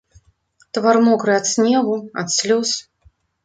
Твар мокры ад снегу, ад слёз.